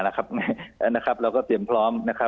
เราก็เตรียมพร้อม